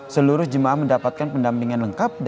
seluruh jemaah mendapatkan pendampingan lengkap